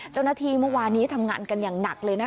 เจ้าหน้าที่เมื่อวานนี้ทำงานกันอย่างหนักเลยนะคะ